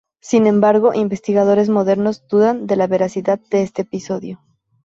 Sin embargo, investigadores modernos dudan de la veracidad de este episodio.